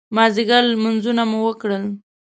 مازدیګر لمونځونه مو وکړل.